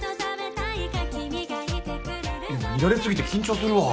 見られすぎて緊張するわ。